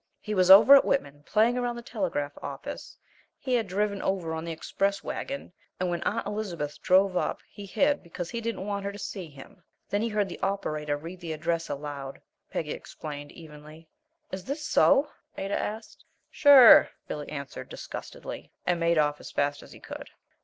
"He was over at Whitman playing around the telegraph office he had driven over on the express wagon and when Aunt Elizabeth drove up he hid because he didn't want her to see him. Then he heard the operator read the address aloud," Peggy explained, evenly. "Is this so?" Ada asked. "Sure," Billy answered, disgustedly, and made off as fast as he could.